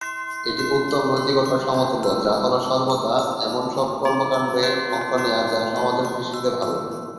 এটি উত্তম নৈতিকতার সমতুল্য, যা হল সর্বদা এমন সব কর্মকাণ্ডে অংশ নেয়া যা সমাজের দৃষ্টিতে ভাল।